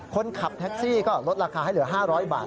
คนขับแท็กซี่ก็ลดราคาให้เหลือ๕๐๐บาท